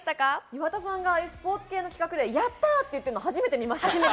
岩田さんがああいうスポーツ系の企画で、やったーって言ってるの初めて見ました。